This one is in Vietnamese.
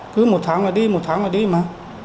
cứ một tháng là đi một tháng là đi mà